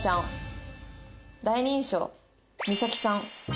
「第二印象実咲さん」